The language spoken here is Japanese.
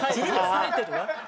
さえてるわ。